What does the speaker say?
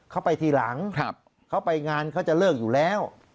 เขาไปทีหลังเขาไปงานเขาจะเลิกอยู่แล้ว